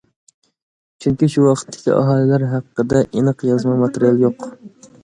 چۈنكى شۇ ۋاقىتتىكى ئاھالىلەر ھەققىدە ئېنىق يازما ماتېرىيال يوق.